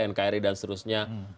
nkri dan seterusnya